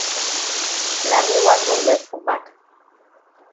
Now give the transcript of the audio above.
Na me wan do lef for back.